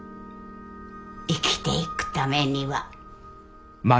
生きていくためには。